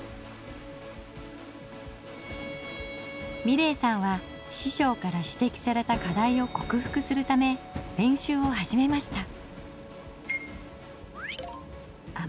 美礼さんは師匠から指摘された課題をこくふくするため練習を始めました。